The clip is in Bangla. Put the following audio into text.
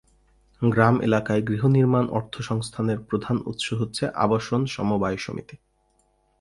গ্রাম এলাকায় গৃহনির্মাণ অর্থসংস্থানের প্রধান উৎস হচ্ছে আবাসন সমবায় সমিতি।